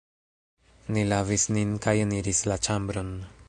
Ni lavis nin kaj eniris la ĉambron.